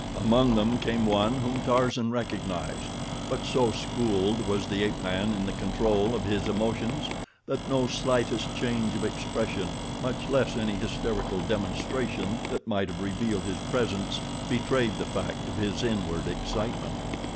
Among them came one whom Tarzan recognized, but so schooled was the ape man in the control of his emotions that no slightest change of expression, much less any hysterical demonstration that might have revealed his presence, betrayed the fact of his inward excitement.